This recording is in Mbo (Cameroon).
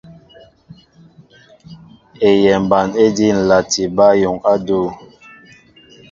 Eyɛmba éjí ǹlati bǎyuŋ á adʉ̂.